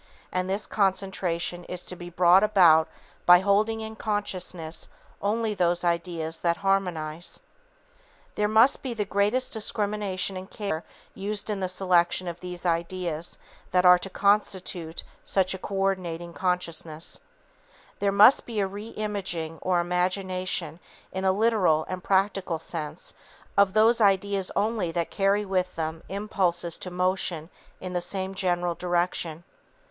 And this concentration is to be brought about by holding in consciousness only those ideas that harmonize_. [Sidenote: Ideas That Harmonize] There must be the greatest discrimination and care used in the selection of these ideas that are to constitute such a co ordinating consciousness. There must be a "re imaging" or imagination in a literal and practical sense of those ideas only that carry with them impulses to motion in the same general direction.